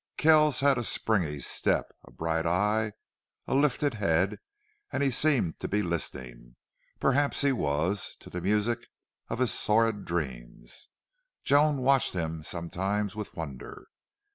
Kells had a springy step, a bright eye, a lifted head, and he seemed to be listening. Perhaps he was to the music of his sordid dreams. Joan watched him sometimes with wonder.